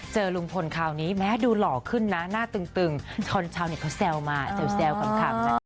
เจอลุงพลคราวนี้แม้ดูหล่อขึ้นนะหน้าตึงชาวเน็ตเขาแซวมาแซวขำนะคะ